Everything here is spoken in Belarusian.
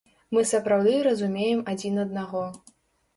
Мы сапраўды разумеем адзін аднаго.